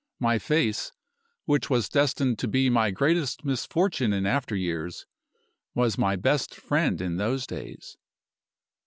My face. which was destined to be my greatest misfortune in after years, was my best friend in those days.